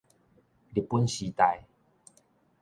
日本時代